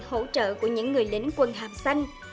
hỗ trợ của những người lính quân hạm xanh